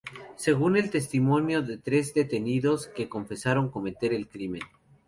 Según el testimonio de tres nuevos detenidos que confesaron cometer el crimen.